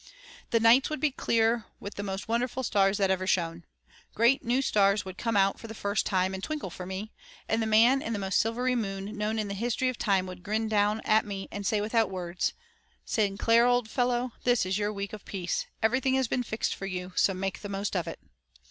The nights would be clear with the most wonderful stars that ever shone. Great new stars would come out for the first time, and twinkle for me, and the man in the most silvery moon known in the history of time would grin down at me and say without words: 'St. Clair, old fellow, this is your week of peace, everything has been fixed for you, so make the most of it.'